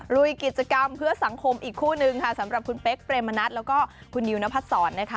ลุยกิจกรรมเพื่อสังคมอีกคู่นึงค่ะสำหรับคุณเป๊กเปรมนัดแล้วก็คุณนิวนพัดศรนะคะ